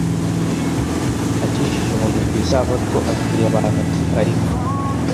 akijije umuntu ku isabato abwira abantu ati Hariho